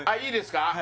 いいですか？